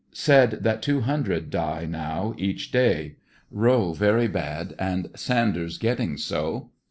Said that two hundred die now each day Rowe very bad and Sanders get ting so.